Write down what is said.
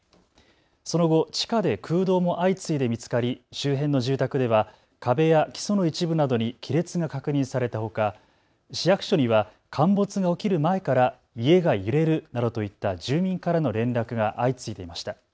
その後、地下で空洞も相次いで見つかり、周辺の住宅では壁や基礎の一部などに亀裂が確認されたほか、市役所には陥没が起きる前から家が揺れるなどといった住民からの連絡が相次いでいました。